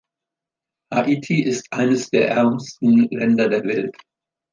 Haiti ist eines der ärmsten Länder der Welt.